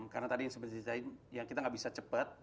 karena tadi yang seperti ceritain ya kita gak bisa cepet